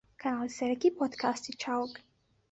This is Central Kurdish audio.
کەناڵی سەرەکی پۆدکاستی چاوگ